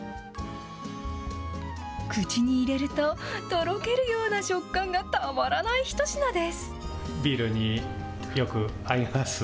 口に入れると、とろけるような食感がたまらない一品です。